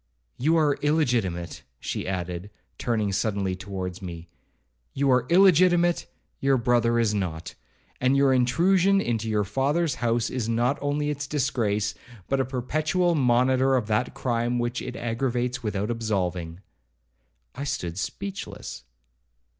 You are illegitimate,' she added, turning suddenly towards me; 'you are illegitimate,—your brother is not; and your intrusion into your father's house is not only its disgrace, but a perpetual monitor of that crime which it aggravates without absolving.' I stood speechless.